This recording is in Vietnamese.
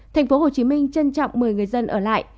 thành phố hồ chí minh trân trọng mời người dân ở lại